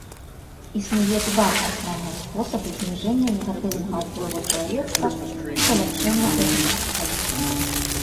Існуе два асноўныя спосабы зніжэння негатыўнага ўплыву чалавецтва і паляпшэння экасістэм.